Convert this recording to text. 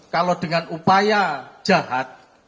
kalau dengan upaya jahat